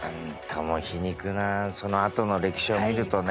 そのあとの歴史を見るとね。